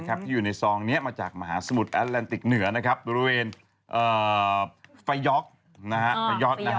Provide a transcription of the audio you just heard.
ที่อยู่ในซองนี้มาจากมหาสมุดอัตลันติกเหนือนะครับบริเวณฟย๊อคนะฮะฟย๊อคนะครับ